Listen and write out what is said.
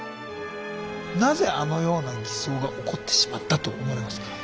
なぜあのような偽装が起こってしまったと思われますか？